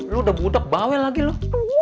lu udah mudok bawel lagi loh